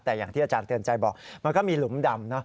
แต่อย่างที่อาจารย์เตือนใจบอกมันก็มีหลุมดำเนอะ